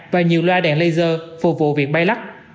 và nhiều loa đèn laser phục vụ việc bay lắc